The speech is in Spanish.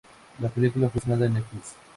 La película fue estrenada en Netflix.